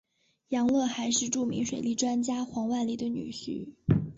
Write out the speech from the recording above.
杨乐还是著名水利专家黄万里的女婿。